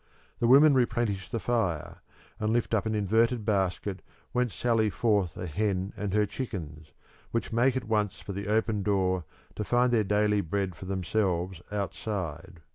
The women replenish the fire, and lift up an inverted basket whence sally forth a hen and her chickens which make at once for the open door to find their daily bread for themselves outside.